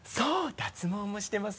脱毛もしてます